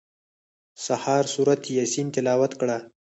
سهار سورت یاسین تلاوت کړه.